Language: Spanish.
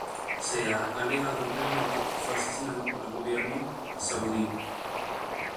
Se ha alegado ampliamente que fue asesinado por el gobierno saudí.